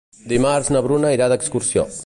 Dimarts na Bruna irà d'excursió.